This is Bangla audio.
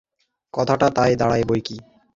কথাটা তাই দাড়ায় বৈকি।